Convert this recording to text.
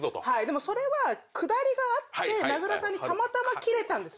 でもそれはくだりがあって名倉さんにたまたまキレたんです。